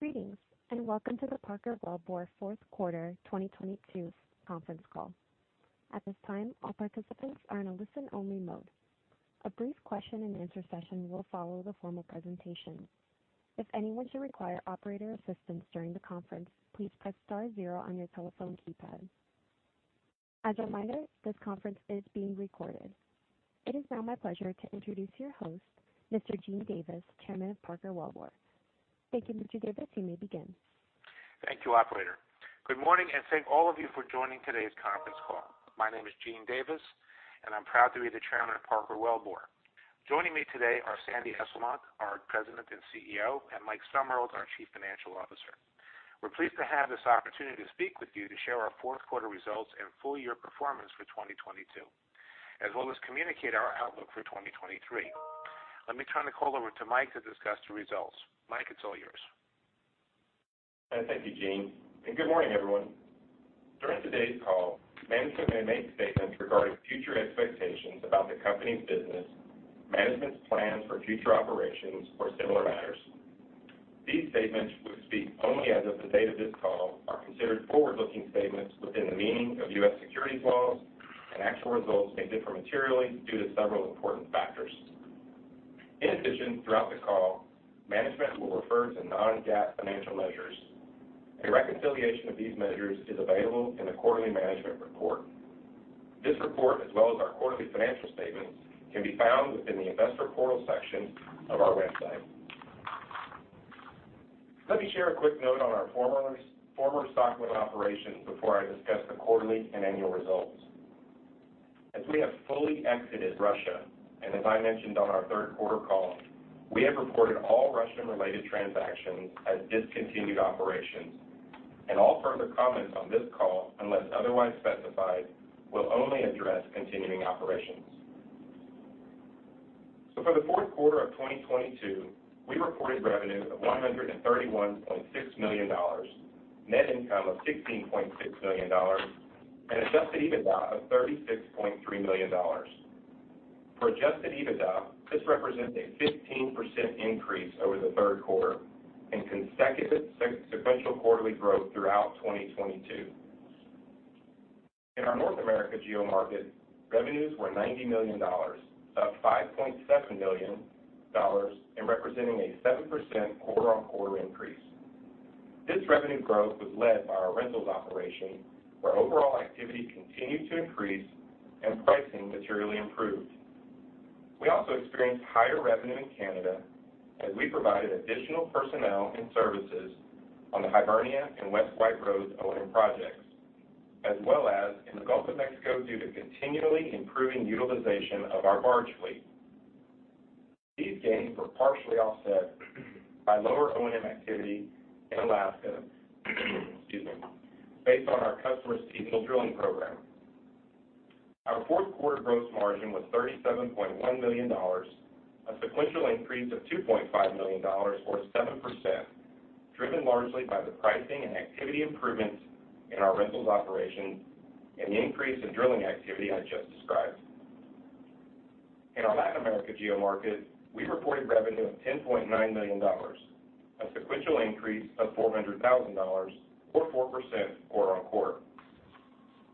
Greetings, welcome to the Parker Wellbore fourth quarter 2022 conference call. At this time, all participants are in a listen-only mode. A brief question and answer session will follow the formal presentation. If anyone should require operator assistance during the conference, please press star zero on your telephone keypad. As a reminder, this conference is being recorded. It is now my pleasure to introduce your host, Mr. Eugene Davis, Chairman of Parker Wellbore. Thank you, Mr. Davis. You may begin. Thank you, operator. Good morning. Thank all of you for joining today's conference call. My name is Eugene Davis. I'm proud to be the chairman of Parker Wellbore. Joining me today are Sandy Esslemont, our President and CEO, and Michael Sumruld, our Chief Financial Officer. We're pleased to have this opportunity to speak with you to share our fourth quarter results and full year performance for 2022, as well as communicate our outlook for 2023. Let me turn the call over to Mike to discuss the results. Mike, it's all yours. Thank you, Gene. Good morning, everyone. During today's call, management may make statements regarding future expectations about the company's business, management's plans for future operations or similar matters. These statements, which speak only as of the date of this call, are considered forward-looking statements within the meaning of U.S. securities laws, and actual results may differ materially due to several important factors. In addition, throughout the call, management will refer to non-GAAP financial measures. A reconciliation of these measures is available in the quarterly management report. This report, as well as our quarterly financial statements, can be found within the investor portal section of our website. Let me share a quick note on our former Sakhalin operation before I discuss the quarterly and annual results. As we have fully exited Russia, and as I mentioned on our third quarter call, we have reported all Russian-related transactions as discontinued operations and all further comments on this call, unless otherwise specified, will only address continuing operations. For the fourth quarter of 2022, we reported revenue of $131.6 million, net income of $16.6 million, and Adjusted EBITDA of $36.3 million. For Adjusted EBITDA, this represents a 15% increase over the third quarter and consecutive sequential quarterly growth throughout 2022. In our North America geomarket, revenues were $90 million, up $5.7 million, and representing a 7% quarter-on-quarter increase. This revenue growth was led by our rentals operation, where overall activity continued to increase and pricing materially improved. We also experienced higher revenue in Canada as we provided additional personnel and services on the Hibernia and West White Rose O&M projects, as well as in the Gulf of Mexico due to continually improving utilization of our barge fleet. These gains were partially offset by lower O&M activity in Alaska, excuse me, based on our customer's seasonal drilling program. Our fourth quarter gross margin was $37.1 million, a sequential increase of $2.5 million or 7%, driven largely by the pricing and activity improvements in our rentals operation and the increase in drilling activity I just described. In our Latin America geomarket, we reported revenue of $10.9 million, a sequential increase of $400,000 or 4% quarter-on-quarter.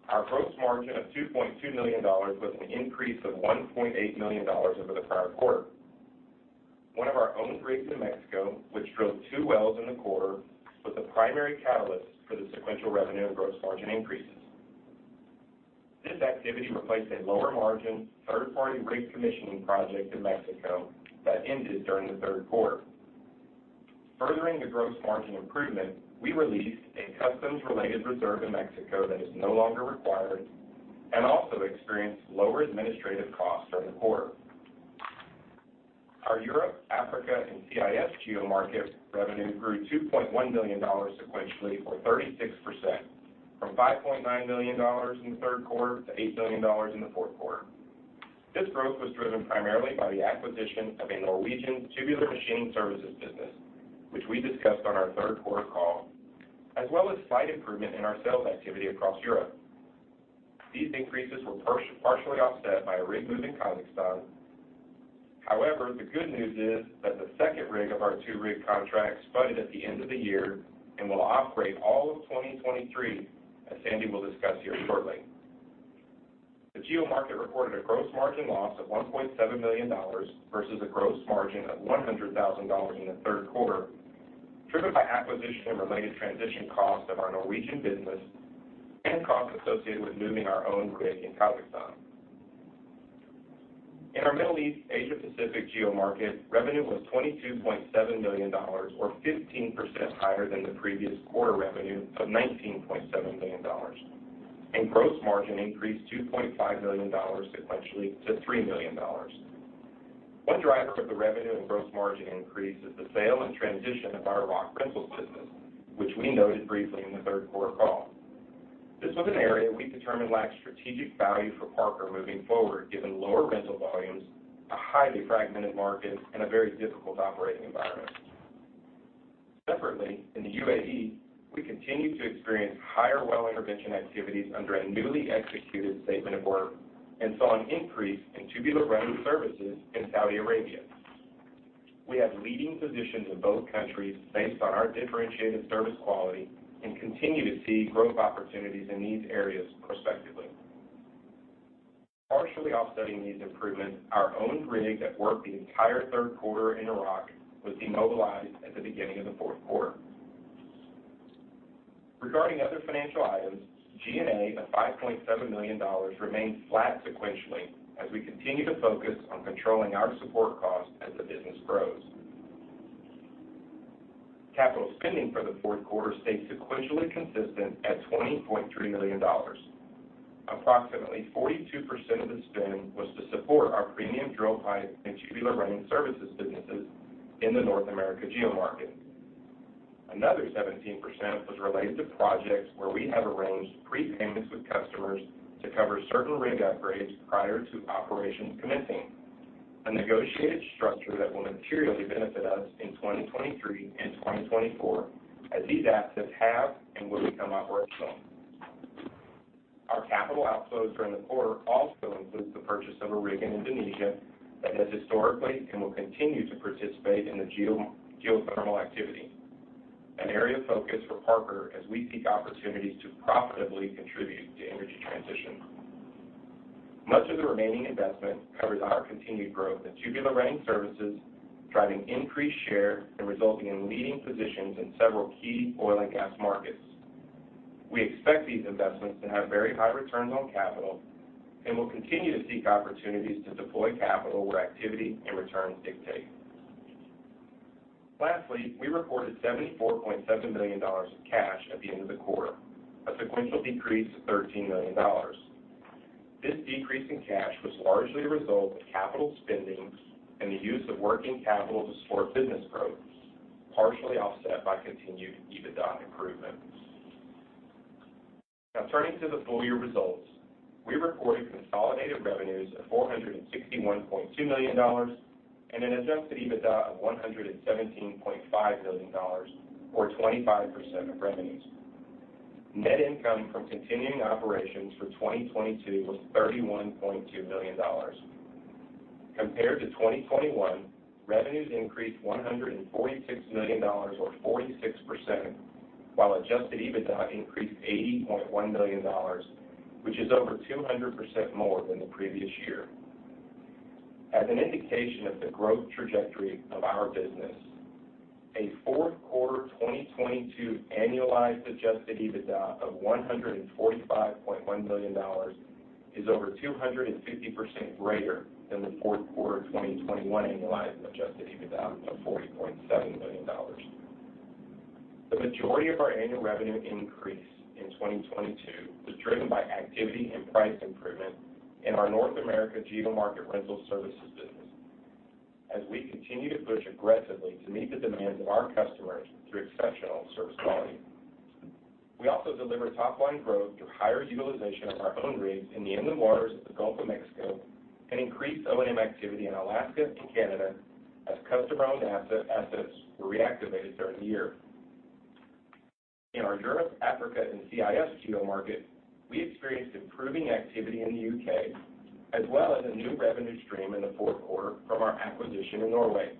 Our gross margin of $2.2 million was an increase of $1.8 million over the prior quarter. One of our own rigs in Mexico, which drilled two wells in the quarter, was the primary catalyst for the sequential revenue and gross margin increases. This activity replaced a lower-margin, third-party rig commissioning project in Mexico that ended during the third quarter. Furthering the gross margin improvement, we released a customs-related reserve in Mexico that is no longer required and also experienced lower administrative costs during the quarter. Our Europe, Africa, and CIS geomarket revenue grew $2.1 million sequentially, or 36%, from $5.9 million in the third quarter to $8 million in the fourth quarter. This growth was driven primarily by the acquisition of a Norwegian tubular machining services business, which we discussed on our third quarter call, as well as slight improvement in our sales activity across Europe. These increases were partially offset by a rig move in Kazakhstan. The good news is the second rig of our two-rig contract spudded at the end of the year and will operate all of 2023, as Sandy will discuss here shortly. The geomarket recorded a gross margin loss of $1.7 million versus a gross margin of $100,000 in the third quarter, driven by acquisition and related transition costs of our Norwegian business and costs associated with moving our own rig in Kazakhstan. In our Middle East Asia Pacific geomarket, revenue was $22.7 million or 15% higher than the previous quarter revenue of $19.7 million. Gross margin increased $2.5 million sequentially to $3 million. One driver of the revenue and gross margin increase is the sale and transition of our Quail Tools business, which we noted briefly in the third quarter call. This was an area we determined lacked strategic value for Parker moving forward, given lower rental volumes, a highly fragmented market, and a very difficult operating environment. Separate. In the UAE, we continued to experience higher well intervention activities under a newly executed statement of work and saw an increase in tubular running services in Saudi Arabia. We have leading positions in both countries based on our differentiated service quality and continue to see growth opportunities in these areas prospectively. Partially offsetting these improvements, our own rig that worked the entire third quarter in Iraq was demobilized at the beginning of the fourth quarter. Regarding other financial items, G&A of $5.7 million remained flat sequentially as we continue to focus on controlling our support costs as the business grows. Capital spending for the fourth quarter stayed sequentially consistent at $20.3 million. Approximately 42% of the spend was to support our premium drill pipe and tubular running services businesses in the North America geomarket. Another 17% was related to projects where we have arranged prepayments with customers to cover certain rig upgrades prior to operations commencing, a negotiated structure that will materially benefit us in 2023 and 2024 as these assets have and will become operational. Our capital outflows during the quarter also include the purchase of a rig in Indonesia that has historically and will continue to participate in the geothermal activity, an area of focus for Parker as we seek opportunities to profitably contribute to energy transition. Much of the remaining investment covers our continued growth in tubular running services, driving increased share and resulting in leading positions in several key oil and gas markets. We expect these investments to have very high returns on capital and will continue to seek opportunities to deploy capital where activity and returns dictate. We reported $74.7 million in cash at the end of the quarter, a sequential decrease of $13 million. This decrease in cash was largely a result of capital spending and the use of working capital to support business growth, partially offset by continued EBITDA improvements. Now turning to the full year results. We reported consolidated revenues of $461.2 million and an Adjusted EBITDA of $117.5 million or 25% of revenues. Net income from continuing operations for 2022 was $31.2 million. Compared to 2021, revenues increased $146 million or 46%, while Adjusted EBITDA increased $80.1 million, which is over 200% more than the previous year. As an indication of the growth trajectory of our business, a fourth quarter 2022 annualized Adjusted EBITDA of $145.1 million is over 250% greater than the fourth quarter 2021 annualized Adjusted EBITDA of $40.7 million. The majority of our annual revenue increase in 2022 was driven by activity and price improvement in our North America geomarket rental services business as we continue to push aggressively to meet the demands of our customers through exceptional service quality. We also delivered top-line growth through higher utilization of our own rigs in the inland waters of the Gulf of Mexico and increased O&M activity in Alaska and Canada as customer-owned assets were reactivated during the year. In our Europe, Africa, and CIS geomarket, we experienced improving activity in the UK as well as a new revenue stream in the fourth quarter from our acquisition in Norway.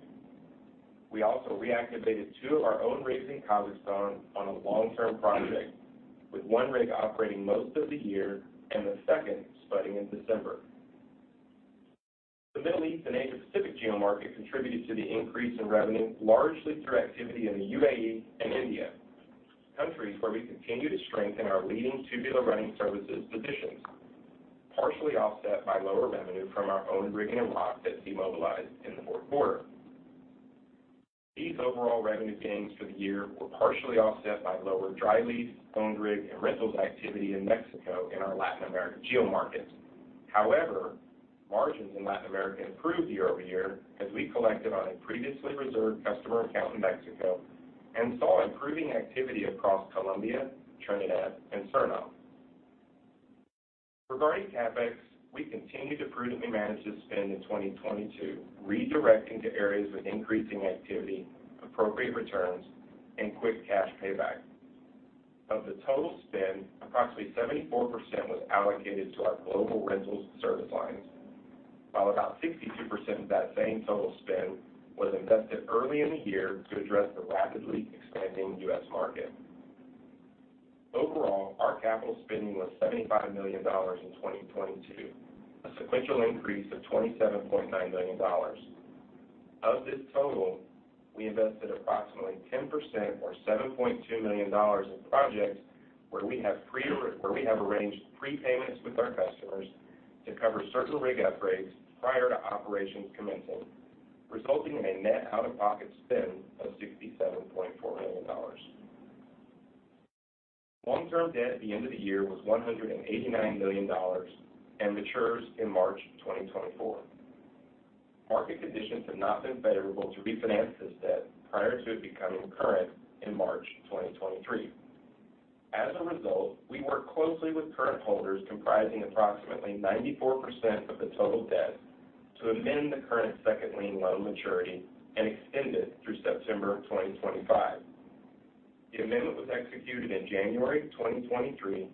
We also reactivated two of our own rigs in Kazakhstan on a long-term project, with one rig operating most of the year and the second starting in December. The Middle East and Asia Pacific geomarket contributed to the increase in revenue largely through activity in the UAE and India, countries where we continue to strengthen our leading tubular running services positions, partially offset by lower revenue from our own rig in Iraq that demobilized in the fourth quarter. These overall revenue gains for the year were partially offset by lower dry lease, owned rig, and rentals activity in Mexico in our Latin America geomarket. However, margins in Latin America improved year-over-year as we collected on a previously reserved customer account in Mexico and saw improving activity across Colombia, Trinidad, and Suriname. Regarding CapEx, we continued to prudently manage the spend in 2022, redirecting to areas with increasing activity, appropriate returns, and quick cash payback. Of the total spend, approximately 74% was allocated to our global rentals service lines, while about 62% of that same total spend was invested early in the year to address the rapidly expanding U.S. market. Overall, our capital spending was $75 million in 2022, a sequential increase of $27.9 million. Of this total, we invested approximately 10% or $7.2 million in projects where we have arranged prepayments with our customers to cover certain rig upgrades prior to operations commencing, resulting in a net out-of-pocket spend of $67.4 million. Long-term debt at the end of the year was $189 million and matures in March 2024. Market conditions have not been favorable to refinance this debt prior to it becoming current in March 2023. As a result, we work closely with current holders comprising approximately 94% of the total debt to amend the current second lien loan maturity and extend it through September of 2025. The amendment was executed in January of 2023,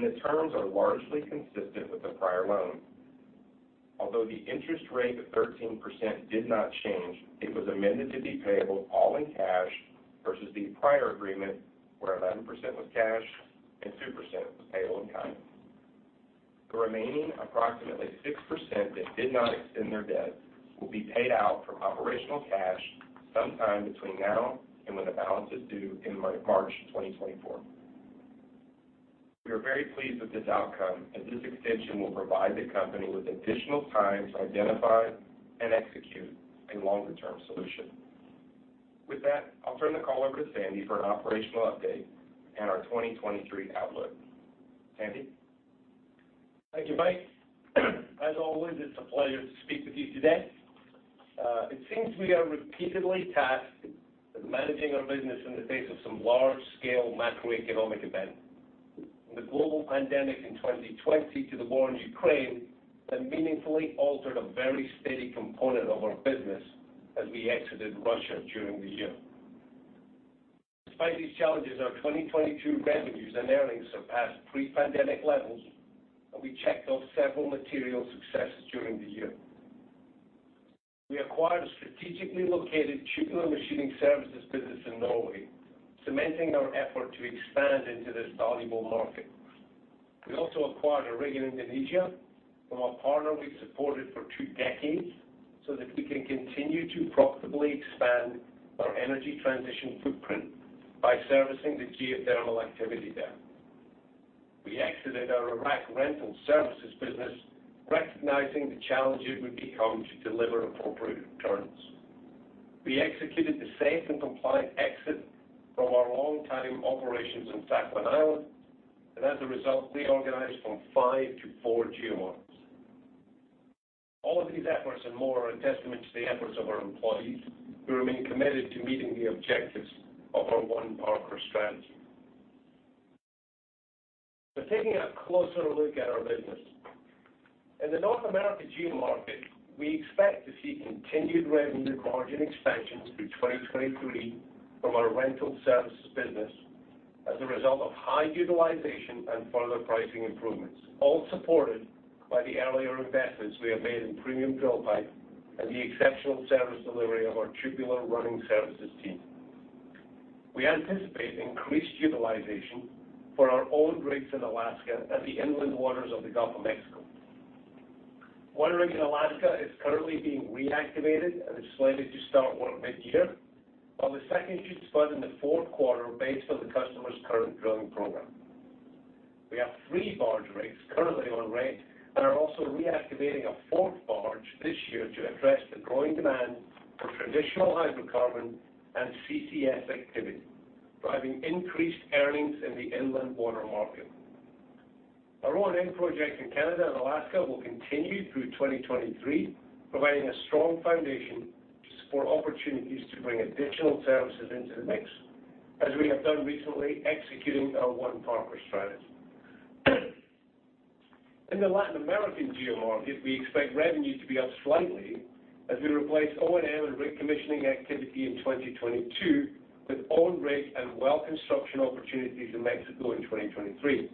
the terms are largely consistent with the prior loan. Although the interest rate of 13% did not change, it was amended to be payable all in cash versus the prior agreement, where 11% was cash and 2% was payable in kind. The remaining approximately 6% that did not extend their debt will be paid out from operational cash sometime between now and when the balance is due in March 2024. We are very pleased with this outcome, as this extension will provide the company with additional time to identify and execute a longer-term solution. I'll turn the call over to Sandy for an operational update and our 2023 outlook. Sandy? Thank you, Mike. As always, it's a pleasure to speak with you today. It seems we are repeatedly tasked with managing our business in the face of some large-scale macroeconomic events, from the global pandemic in 2020 to the war in Ukraine that meaningfully altered a very steady component of our business as we exited Russia during the year. Despite these challenges, our 2022 revenues and earnings surpassed pre-pandemic levels, and we checked off several material successes during the year. We acquired a strategically located tubular machining services business in Norway, cementing our effort to expand into this valuable market. We also acquired a rig in Indonesia from a partner we've supported for two decades so that we can continue to profitably expand our energy transition footprint by servicing the geothermal activity there. We exited our Iraq rental services business, recognizing the challenge it would become to deliver appropriate returns. We executed the safe and compliant exit from our longtime operations in Sakhalin Island, and as a result, reorganized from five to four geomarkets. All of these efforts and more are a testament to the efforts of our employees who remain committed to meeting the objectives of our One Parker strategy. Taking a closer look at our business. In the North America geomarket, we expect to see continued revenue margin expansion through 2023 from our rental services business as a result of high utilization and further pricing improvements, all supported by the earlier investments we have made in premium drill pipe and the exceptional service delivery of our tubular running services team. We anticipate increased utilization for our own rigs in Alaska and the inland waters of the Gulf of Mexico. One rig in Alaska is currently being reactivated and is slated to start work mid-year, while the second should spot in the fourth quarter based on the customer's current drilling program. We have three barge rigs currently on rate and are also reactivating a fourth barge this year to address the growing demand for traditional hydrocarbon and CCS activity, driving increased earnings in the inland water market. Our O&M project in Canada and Alaska will continue through 2023, providing a strong foundation to support opportunities to bring additional services into the mix, as we have done recently executing our One Parker strategy. In the Latin American geomarket, we expect revenue to be up slightly as we replace O&M and rig commissioning activity in 2022 with own rig and well construction opportunities in Mexico in 2023.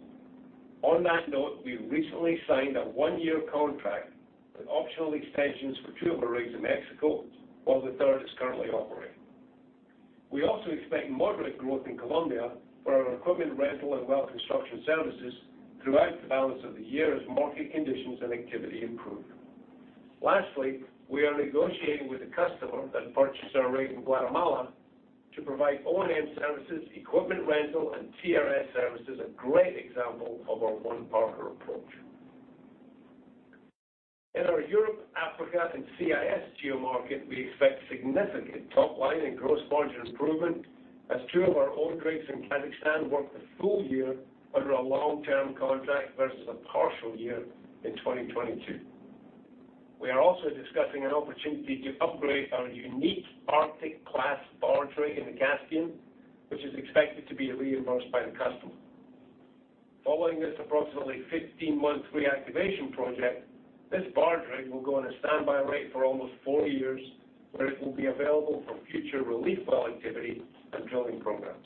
On that note, we recently signed a one-year contract with optional extensions for 2 of our rigs in Mexico while the third is currently operating. We also expect moderate growth in Colombia for our equipment rental and well construction services throughout the balance of the year as market conditions and activity improve. Lastly, we are negotiating with a customer that purchased our rig in Guatemala to provide O&M services, equipment rental, and TRS services, a great example of our One Parker approach. In our Europe, Africa, and CIS geomarket, we expect significant top line and gross margin improvement as two of our own rigs in Kazakhstan work the full year under a long-term contract versus a partial year in 2022. We are also discussing an opportunity to upgrade our unique Arctic-class barge rig in the Caspian, which is expected to be reimbursed by the customer. Following this approximately 15-month reactivation project, this barge rig will go on a standby rate for almost four years, where it will be available for future relief well activity and drilling programs.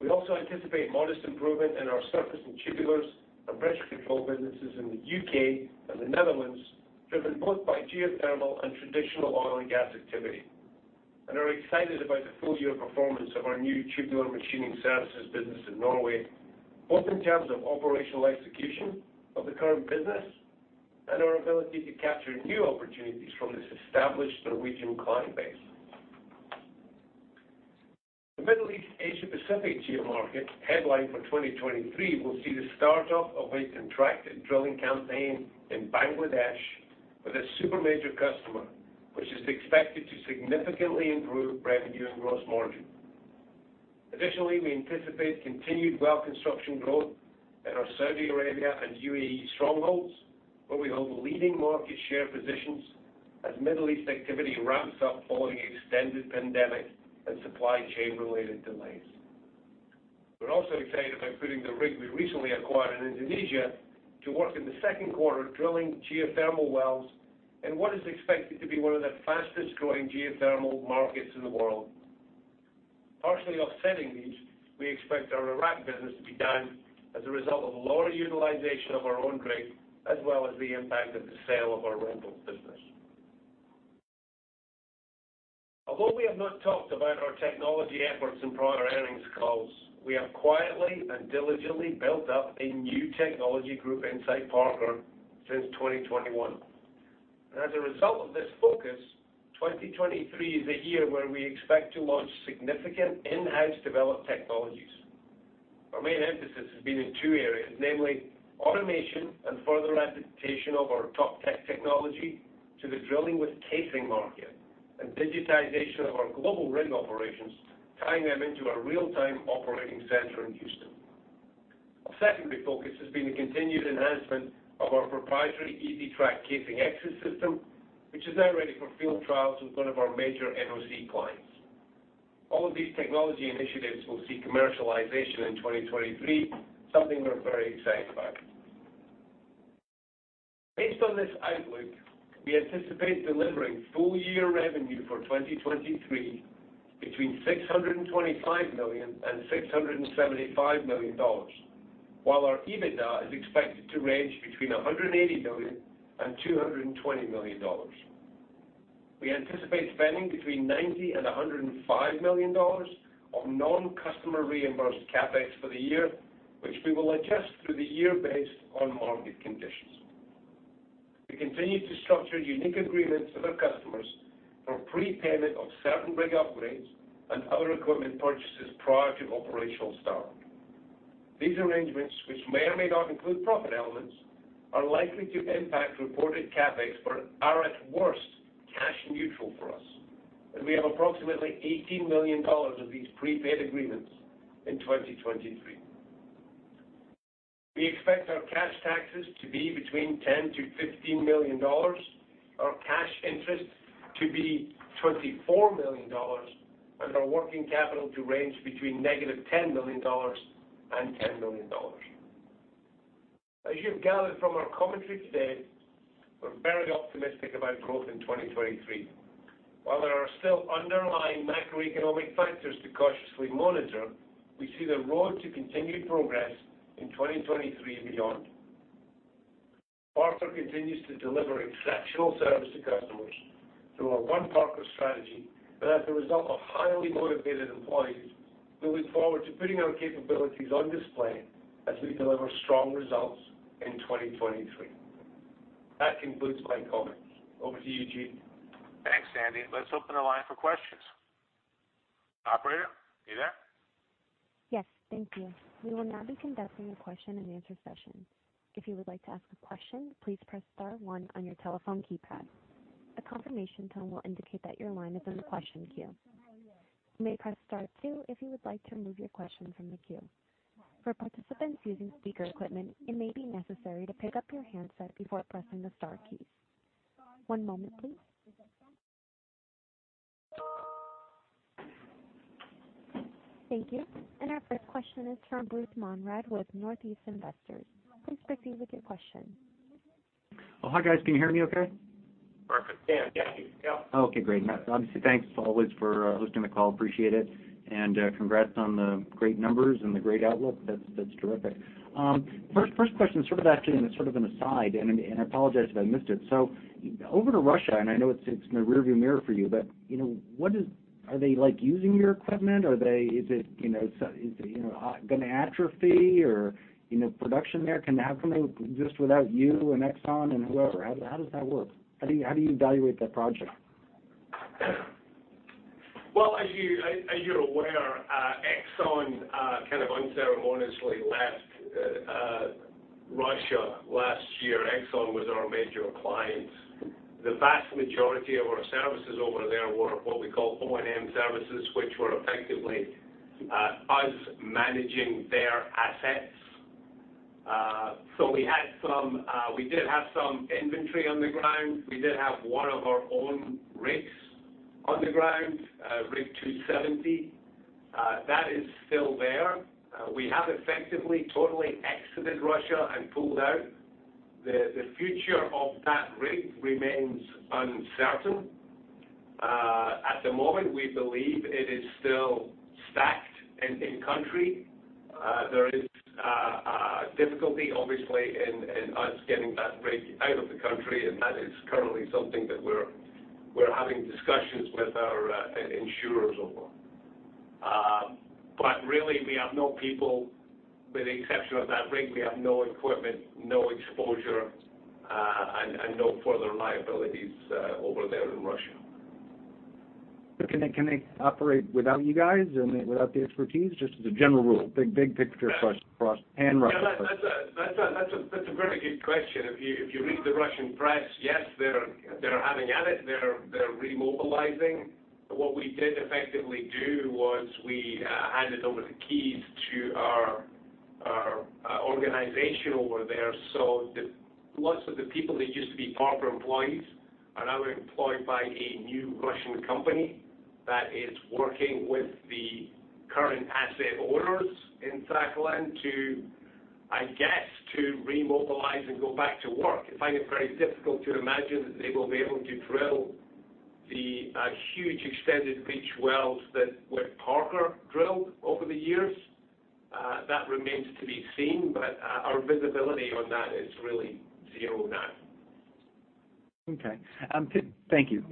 We also anticipate modest improvement in our surface and tubulars and pressure control businesses in the UK and the Netherlands, driven both by geothermal and traditional oil and gas activity. Are excited about the full-year performance of our new tubular machining services business in Norway, both in terms of operational execution of the current business and our ability to capture new opportunities from this established Norwegian client base. The Middle East/Asia Pacific geomarket headline for 2023 will see the start of a contracted drilling campaign in Bangladesh with a supermajor customer, which is expected to significantly improve revenue and gross margin. Additionally, we anticipate continued well construction growth in our Saudi Arabia and UAE strongholds, where we hold leading market share positions as Middle East activity ramps up following extended pandemic and supply chain related delays. We're also excited about putting the rig we recently acquired in Indonesia to work in the second quarter drilling geothermal wells in what is expected to be one of the fastest-growing geothermal markets in the world. Partially offsetting these, we expect our Iraq business to be down as a result of lower utilization of our own rig as well as the impact of the sale of our rental business. Although we have not talked about our technology efforts in prior earnings calls, we have quietly and diligently built up a new technology group inside Parker since 2021. As a result of this focus, 2023 is a year where we expect to launch significant in-house developed technologies. Our main emphasis has been in two areas, namely automation and further adaptation of our top tech technology to the drilling with casing market and digitization of our global rig operations, tying them into our real-time operating center in Houston. Our secondary focus has been the continued enhancement of our proprietary Easy-Trak casing access system, which is now ready for field trials with one of our major NOC clients. All of these technology initiatives will see commercialization in 2023, something we're very excited about. Based on this outlook, we anticipate delivering full-year revenue for 2023 between $625 million and $675 million, while our EBITDA is expected to range between $180 million and $220 million. We anticipate spending between $90 million and $105 million of non-customer reimbursed CapEx for the year, which we will adjust through the year based on market conditions. We continue to structure unique agreements with our customers for prepayment of certain rig upgrades and other equipment purchases prior to operational start. These arrangements, which may or may not include profit elements, are likely to impact reported CapEx or are at worst cash neutral for us. We have approximately $18 million of these prepaid agreements in 2023. We expect our cash taxes to be between $10 million-$15 million, our cash interest to be $24 million, and our working capital to range between negative $10 million and $10 million. As you've gathered from our commentary today, we're very optimistic about growth in 2023. While there are still underlying macroeconomic factors to cautiously monitor, we see the road to continued progress in 2023 and beyond. Parker continues to deliver exceptional service to customers through our One Parker strategy and as a result of highly motivated employees, we look forward to putting our capabilities on display as we deliver strong results in 2023. That concludes my comments. Over to you, Gene. Thanks, Sandy. Let's open the line for questions. Operator, you there? Yes. Thank you. We will now be conducting a question-and-answer session. If you would like to ask a question, please press Star one on your telephone keypad. A confirmation tone will indicate that your line is in the question queue. You may press Star two if you would like to remove your question from the queue. For participants using speaker equipment, it may be necessary to pick up your handset before pressing the star keys. One moment, please. Thank you. Our first question is from Bruce Monrad with Northeast Investors. Please proceed with your question. Oh, hi, guys. Can you hear me okay? Perfect. Yeah. Yeah. Okay, great. Obviously, thanks as always for hosting the call. Appreciate it. Congrats on the great numbers and the great outlook. That's terrific. First question sort of actually and it's sort of an aside, and I apologize if I missed it. Over to Russia, and I know it's in the rearview mirror for you, but, you know, Are they like using your equipment? Is it, you know, so is it, you know, gonna atrophy or, you know, production there? Can that come exist without you and Exxon and whoever? How does that work? How do you evaluate that project? Well, as you're aware, Exxon kind of unceremoniously left Russia last year. Exxon was our major client. The vast majority of our services over there were what we call O&M services, which were effectively us managing their assets. We did have some inventory on the ground. We did have one of our own rigs on the ground, Rig 270. That is still there. We have effectively totally exited Russia and pulled out. The future of that rig remains uncertain. At the moment, we believe it is still stacked in country. There is difficulty obviously in us getting that rig out of the country, and that is currently something that we're having discussions with our insurers over. Really we have no people with the exception of that rig. We have no equipment, no exposure, and no further liabilities over there in Russia. Can they operate without you guys and without the expertise, just as a general rule? Big, big picture question and Russia. Yeah, that's a very good question. If you read the Russian press, yes, they're having at it. They're remobilizing. What we did effectively do was we handed over the keys to our organization over there. Lots of the people that used to be Parker employees are now employed by a new Russian company that is working with the current asset owners in Sakhalin to, I guess, to remobilize and go back to work. I find it very difficult to imagine that they will be able to drill the huge extended reach wells that Parker drilled over the years. That remains to be seen, but our visibility on that is really zero now. Okay. thank you.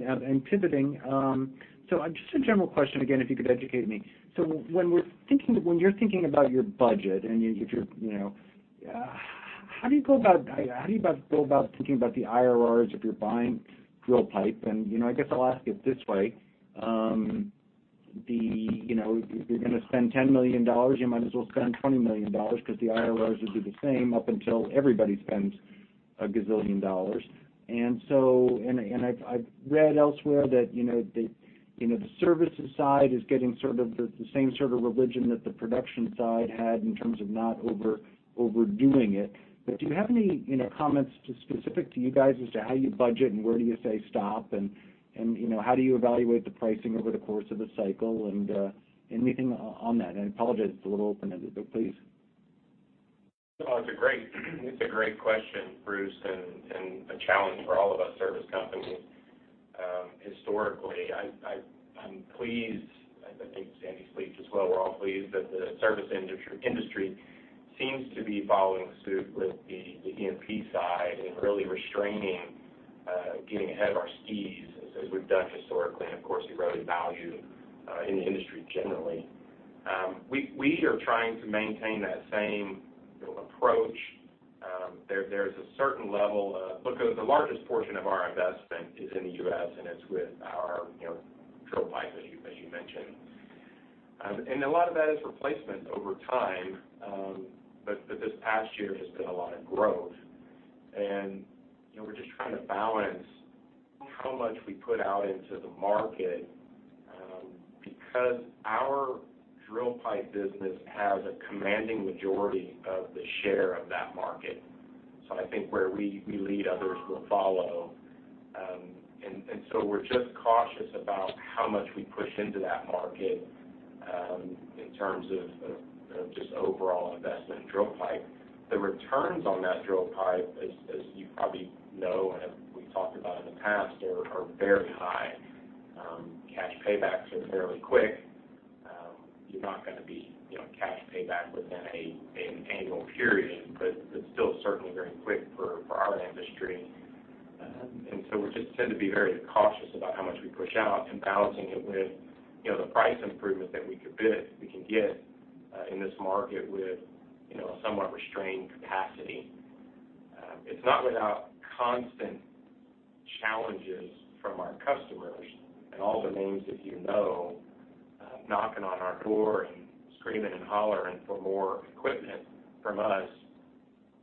Pivoting, just a general question again, if you could educate me. When you're thinking about your budget and you, if you're, how do you go about thinking about the IRRs if you're buying drill pipe, I guess I'll ask it this way. If you're gonna spend $10 million, you might as well spend $20 million because the IRRs will be the same up until everybody spends a gazillion dollars. I've read elsewhere that the services side is getting sort of the same sort of religion that the production side had in terms of not overdoing it. Do you have any, you know, comments just specific to you guys as to how you budget and where do you say stop and, you know, how do you evaluate the pricing over the course of the cycle and, anything on that? I apologize, it's a little open-ended, but please. Well, it's a great question, Bruce, and a challenge for all of us service companies. Historically, I'm pleased, I think Andy is pleased as well. We're all pleased that the service industry seems to be following suit with the E&P side and really restraining getting ahead of our skis as we've done historically, and of course, erodingly valued in the industry generally. We are trying to maintain that same approach. There's a certain level of... Look, the largest portion of our investment is in the US, and it's with our, you know, drill pipe, as you mentioned. A lot of that is replacement over time, but this past year has been a lot of growth. You know, we're just trying to balance how much we put out into the market because our drill pipe business has a commanding majority of the share of that market. I think where we lead, others will follow. We're just cautious about how much we push into that market in terms of just overall investment in drill pipe. The returns on that drill pipe, as you probably know and we've talked about in the past are very high. Cash paybacks are fairly quick. You're not gonna be, you know, cash payback within an annual period, but it's still certainly very quick for our industry. We just tend to be very cautious about how much we push out and balancing it with, you know, the price improvements that we could bid, we can get in this market with, you know, a somewhat restrained capacity. It's not without constant challenges from our customers and all the names that you know, knocking on our door and screaming and hollering for more equipment from us.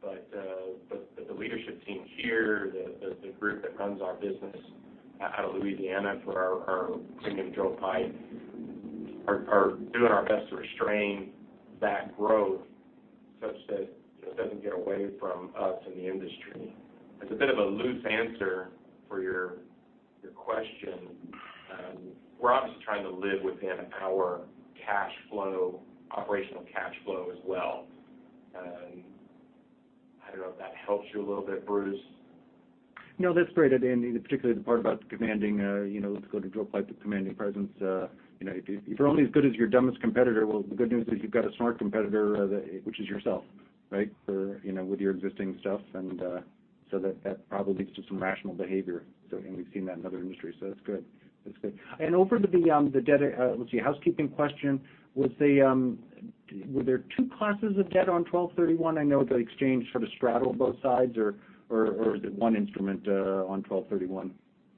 The leadership team here, the group that runs our business out of Louisiana for our premium drill pipe are doing our best to restrain that growth such that it doesn't get away from us and the industry. It's a bit of a loose answer for your question. We're obviously trying to live within our cash flow, operational cash flow as well. I don't know if that helps you a little bit, Bruce. No, that's great, Sandy. particularly the part about commanding, you know, let's go to drill pipe, the commanding presence. Well, you know, if you're only as good as your dumbest competitor. Well, the good news is you've got a smart competitor, which is yourself, right? you know, with your existing stuff, that probably leads to some rational behavior. We've seen that in other industries. That's good. That's good. Over to the debt, let's see, housekeeping question. Was the, were there two classes of debt on 12/31? I know the exchange sort of straddled both sides or is it one instrument on 12/31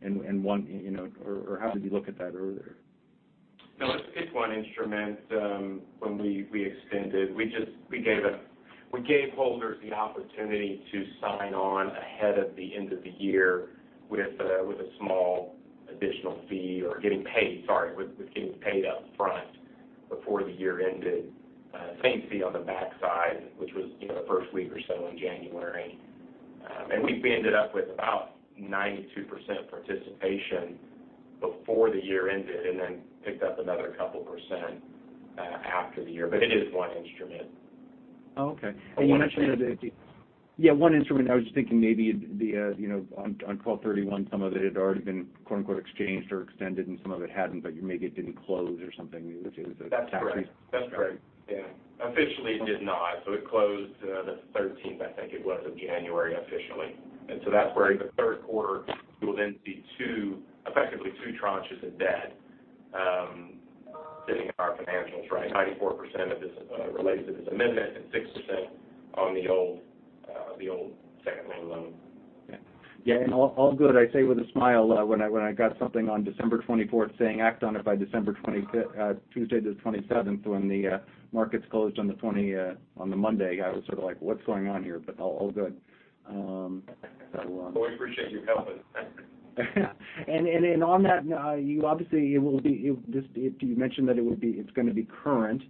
and 1, you know, or how did you look at that earlier? No, it's one instrument. When we extended, we gave holders the opportunity to sign on ahead of the end of the year with a small additional fee or getting paid, sorry, with getting paid up front before the year ended. Same fee on the backside, which was, you know, the first week or so in January. We've ended up with about 92% participation before the year ended, and then picked up another couple percent after the year. It is one instrument. Oh, okay. One instrument. You mentioned that the... Yeah, one instrument. I was just thinking maybe it'd be, you know, on 12/31 some of it had already been quote unquote exchanged or extended, and some of it hadn't, but you maybe it didn't close or something. It was a tax reason. That's correct. That's correct. Yeah. Officially, it did not. It closed, the 13th, I think it was, of January officially. That's where in the third quarter, you will then see two, effectively two tranches of debt, sitting in our financials, right? 94% of this, relates to this amendment and 6% on the old, the old second lien loan. Yeah. Yeah, all good. I say with a smile, when I got something on December 24th saying, "Act on it by December 25th, Tuesday, the 27th," when the markets closed on the Monday, I was sort of like, "What's going on here?" all good. Well, we appreciate your helping. Then on that, you mentioned that it's gonna be current.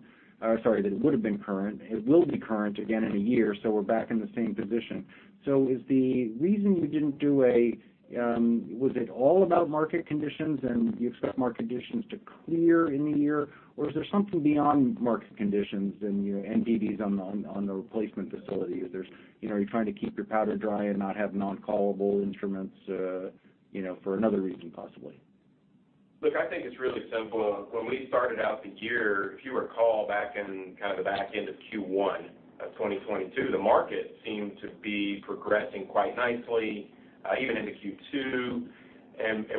Sorry, that it would have been current. It will be current again in a year, so we're back in the same position. Is the reason you didn't do a? Was it all about market conditions, and you expect market conditions to clear in a year? Is there something beyond market conditions and your NDBs on the replacement facility? Is there, you know, are you trying to keep your powder dry and not have non-callable instruments, you know, for another reason, possibly? Look, I think it's really simple. When we started out the year, if you recall back in kind of the back end of Q1 of 2022, the market seemed to be progressing quite nicely, even into Q2.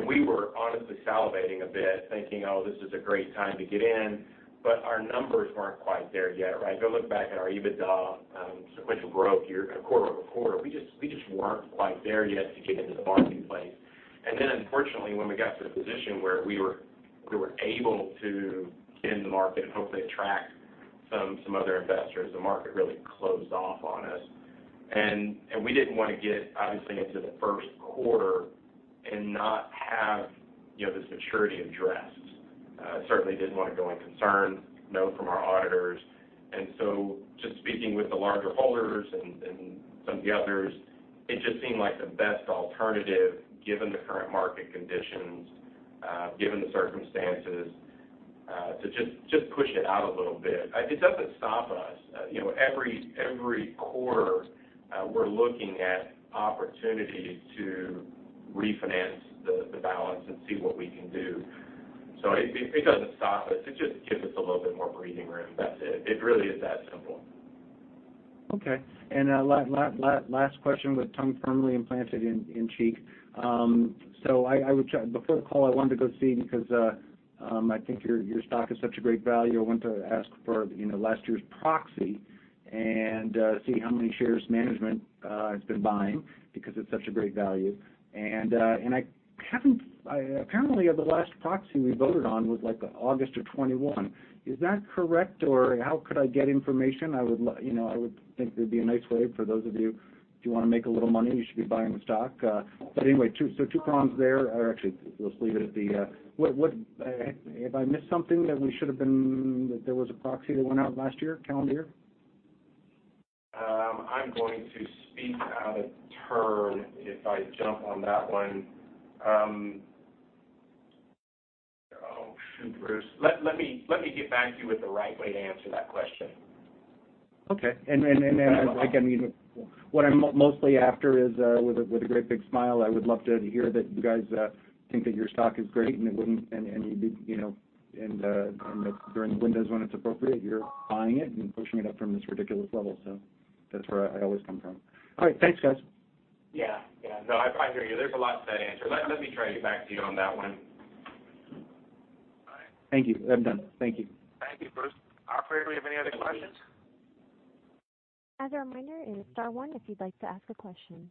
We were honestly salivating a bit, thinking, "Oh, this is a great time to get in." Our numbers weren't quite there yet, right? Go look back at our EBITDA, sequential growth year quarter-over-quarter. We just weren't quite there yet to get into the marketplace. Unfortunately, when we got to the position where we were, we were able to get in the market and hopefully attract some other investors, the market really closed off on us. We didn't wanna get, obviously, into the first quarter and not have, you know, the maturity addressed. Certainly didn't wanna go in concerned, you know, from our auditors. Just speaking with the larger holders and some of the others, it just seemed like the best alternative given the current market conditions, given the circumstances, to just push it out a little bit. It doesn't stop us. You know, every quarter, we're looking at opportunities to refinance the balance and see what we can do. It doesn't stop us. It just gives us a little bit more breathing room. That's it. It really is that simple. Okay. Last question with tongue firmly implanted in cheek. Before the call, I wanted to go see because I think your stock is such a great value. I went to ask for, you know, last year's proxy and see how many shares management has been buying because it's such a great value. I haven't. I apparently the last proxy we voted on was like August of 2021. Is that correct, or how could I get information? I would you know, I would think it'd be a nice way for those of you, if you wanna make a little money, you should be buying the stock. Anyway, two, so two prongs there. Actually, we'll just leave it at the. What. That there was a proxy that went out last year, calendar year? I'm going to speak out of turn if I jump on that one. Oh, shoot, Bruce. Let me get back to you with the right way to answer that question. Okay. I can even... What I'm mostly after is, with a great big smile, I would love to hear that you guys think that your stock is great and it wouldn't... You'd be, you know, and that during the windows when it's appropriate, you're buying it and pushing it up from this ridiculous level. That's where I always come from. All right. Thanks, guys. Yeah. Yeah. No, I hear you. There's a lot to that answer. Let me try to get back to you on that one. All right. Thank you. I'm done. Thank you. Thank you, Bruce. Operator, do we have any other questions? As a reminder, it is star one if you'd like to ask a question.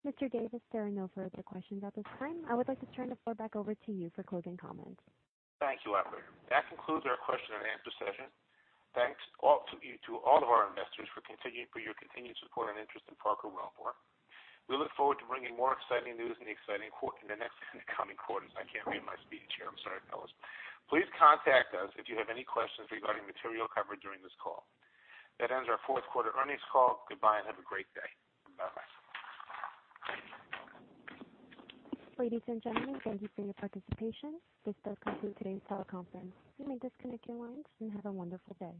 Mr. Davis, there are no further questions at this time. I would like to turn the floor back over to you for closing comments. Thank you, operator. That concludes our question and answer session. Thanks all to all of our investors for your continued support and interest in Parker Wellbore. We look forward to bringing more exciting news in the next coming quarters. I can't read my speech here. I'm sorry, fellas. Please contact us if you have any questions regarding material covered during this call. That ends our fourth quarter earnings call. Goodbye and have a great day. Bye-bye. Ladies and gentlemen, thank you for your participation. This does conclude today's teleconference. You may disconnect your lines, and have a wonderful day.